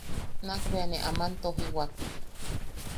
Nakbea ne aman tojiwak: